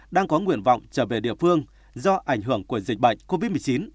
đang có nguyện vọng trở về địa phương do ảnh hưởng của dịch bệnh covid một mươi chín